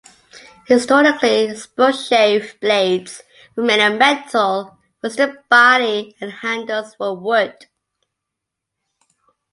Historically, spokeshave blades were made of metal, whilst the body and handles were wood.